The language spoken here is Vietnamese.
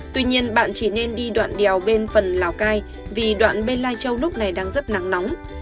tuy nhiên bạn chỉ nên đi đoạn đèo bên phần lào cai vì đoạn bên lai châu lúc này đang rất nắng nóng